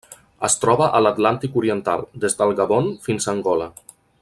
Es troba a l'Atlàntic oriental: des del Gabon fins a Angola.